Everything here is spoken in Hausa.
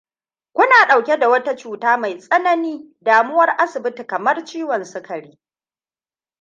kuna dauke da wani cuta mai tsanani damuwar asibiti kammar ciwon sukari?